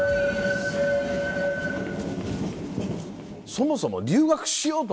そもそも。